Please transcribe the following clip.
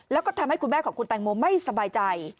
แล้วก็ทำให้คุณแม่ของคุณแตงโมไม่สบายใจ